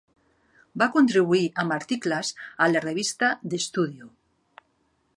Va contribuir amb articles a la revista The Studio.